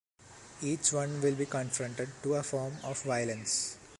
Each one will be confronted to a form of violence.